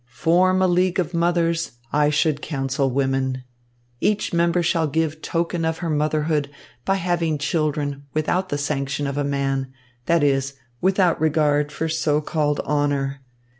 Form a league of mothers, I should counsel women. Each member shall give token of her motherhood by having children without the sanction of a man, that is, without regard for so called honour.